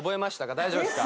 大丈夫ですか？